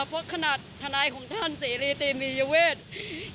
เพราะขณะทนายของท่านเตรียพิสุทธิ์เตมียเวช